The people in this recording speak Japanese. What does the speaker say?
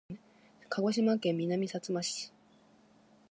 鹿児島県南さつま市